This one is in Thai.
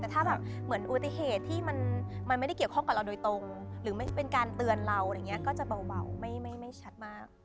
แต่ถ้าแบบเหมือนอุบัติเหตุที่มันไม่ได้เกี่ยวข้องกับเราโดยตรงหรือไม่เป็นการเตือนเราอะไรอย่างนี้ก็จะเบาไม่ชัดมาก